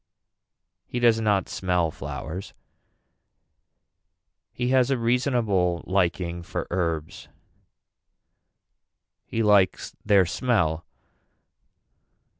He does not smell flowers. He has a reasonable liking for herbs. He likes their smell.